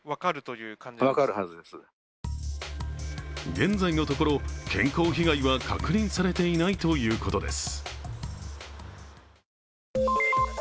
現在のところ、健康被害は確認されていないということです。